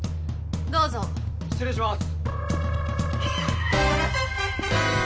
どうぞ失礼します